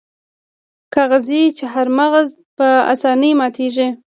کاغذي چهارمغز په اسانۍ ماتیږي.